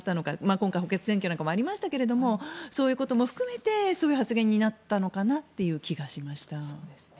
今回、補欠選挙なんかもありましたがそういうことも含めてそういう発言になったのかなという気がしました。